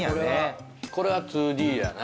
これは２Ｄやな。